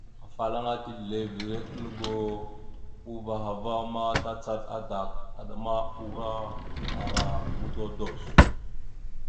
Afalaŋana tislevere aləgo, uvah a ma tacaɗ adak, adəma, ura, ara mododos.